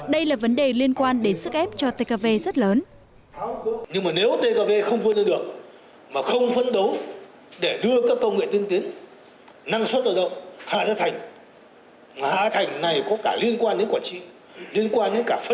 đây là vấn đề liên quan đến sức ép